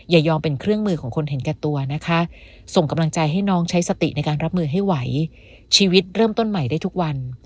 อย่ายอมเป็นเครื่องมือของคนเห็นแก่ตัวนะคะส่งกำลังใจให้น้องใช้สติในการรับมือให้ไหวชีวิตเริ่มต้นใหม่ได้ทุกวัน